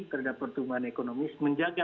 terhadap pertumbuhan ekonomis menjaga